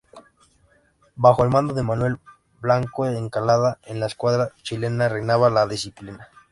Bajo el mando de Manuel Blanco Encalada, en la escuadra chilena reinaba la indisciplina.